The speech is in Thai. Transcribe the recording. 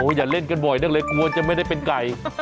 อย่าเล่นกันบ่อยนักเลยกลัวจะไม่ได้เป็นไก่